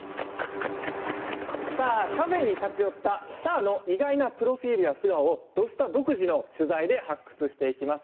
カフェに立ち寄ったスターの意外なプロフィールや素顔を「土スタ」独自の取材で発掘していきます。